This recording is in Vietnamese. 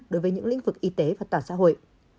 đối với những lĩnh vực y tế và toàn xã hội